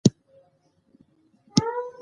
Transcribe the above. سبزیجات د وینې کمښت پوره کوي۔